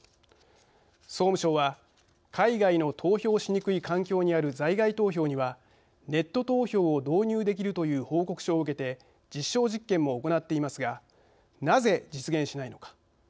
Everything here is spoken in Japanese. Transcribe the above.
総務省は海外の投票しにくい環境にある在外投票にはネット投票を導入できるという報告書を受けて実証実験も行っていますがなぜ実現しないのか。